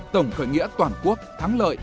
tổng cởi nghĩa toàn quốc thắng lợi